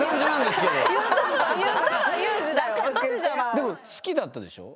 でも好きだったでしょ？